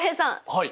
はい。